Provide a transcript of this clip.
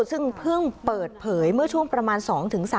ซึ่งเพิ่งเปิดเผยเมื่อช่วงประมาณ๒๓